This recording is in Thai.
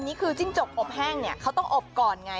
อันนี้คือจิ้งจกอบแห้งเขาต้องอบก่อนไง